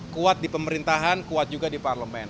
kuat di pemerintahan kuat juga di parlemen